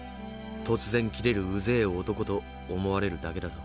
「突然キレるうぜぇ男」と思われるだけだぞ。